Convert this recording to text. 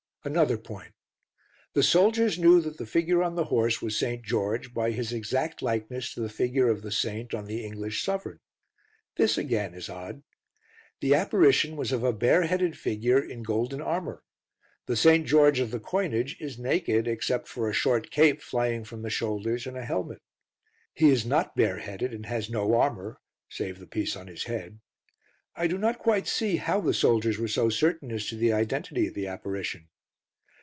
Another point. The soldiers knew that the figure on the horse was St. George by his exact likeness to the figure of the saint on the English sovereign. This, again, is odd. The apparition was of a bareheaded figure in golden armour. The St. George of the coinage is naked, except for a short cape flying from the shoulders, and a helmet. He is not bareheaded, and has no armour save the piece on his head. I do not quite see how the soldiers were so certain as to the identity of the apparition.